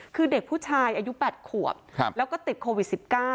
คือเด็กผู้ชายอายุ๘ขวบแล้วก็ติดโควิด๑๙